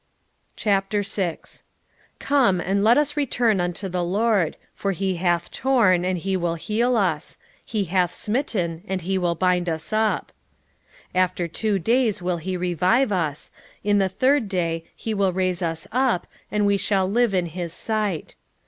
6:1 Come, and let us return unto the LORD: for he hath torn, and he will heal us; he hath smitten, and he will bind us up. 6:2 After two days will he revive us: in the third day he will raise us up, and we shall live in his sight.